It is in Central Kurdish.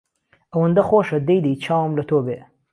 ئەوەندە خۆشە دەی دەی چاوم لە تۆ بێ